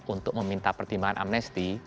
untuk meminta pertimbangan amnesti